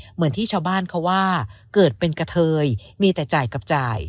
เหมือนที่ชาวบ้านเขาว่าเกิดเป็นกะเทยมีแต่จ่ายกับจ่าย